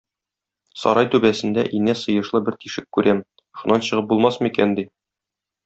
Сарай түбәсендә инә сыешлы бер тишек күрәм, шуннан чыгып булмасмы икән? - ди.